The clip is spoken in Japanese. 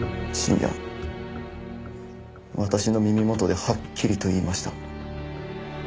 深夜私の耳元ではっきりと言いました。